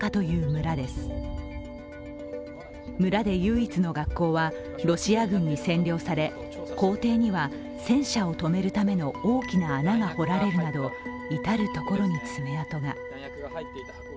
村で唯一の学校はロシア軍に占領され校庭には戦車を止めるための大きな穴が掘られるなど至る所に爪痕が。